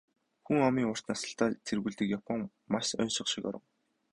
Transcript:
Хүн амын урт наслалтаар тэргүүлдэг Япон маш оньсого шиг орон.